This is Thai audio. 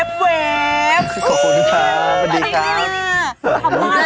ขอบคุณค่ะสวัสดีค่ะ